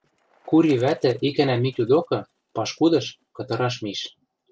Кури вӓтӹ икӓнӓ Митю докы, пашкудыш, кытыраш миш.